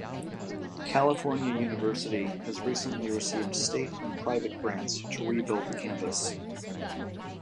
California University has recently received state and private grants to rebuild the campus.